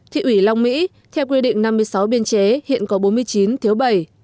thị ủy long mỹ theo quy định năm mươi sáu biên chế hiện có bốn mươi chín thiếu bảy